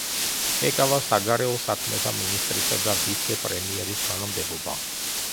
ეკავა საგარეო საქმეთა მინისტრისა და ვიცე-პრემიერის თანამდებობა.